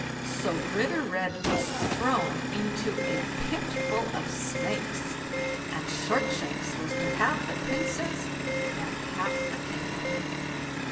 So Ritter Red was thrown into a pit full of snakes, and Shortshanks was to have the Princess and half the kingdom.